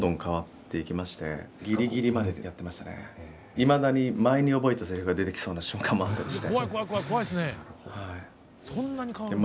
いまだに前に覚えたせりふが出てきそうな瞬間もあったりして。